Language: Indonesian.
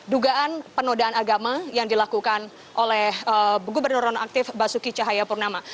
dugaan penodaan agama yang dilakukan oleh gubernuron aktif basuki cahaya purnama